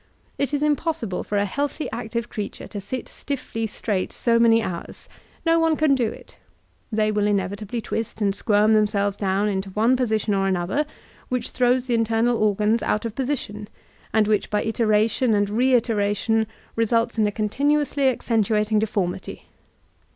It is impossible for a healthy active creature to sit stiffly straight so many hours; no one can do it. They will inevitably twist and squirm themselves down into one position or another which throws the internal organs out of position, and which by iteration and reiteration results in a continu ously accentuating deformity.